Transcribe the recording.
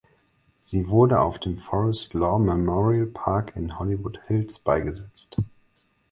Sie wurde auf dem Forest Lawn Memorial Park in Hollywood Hills beigesetzt.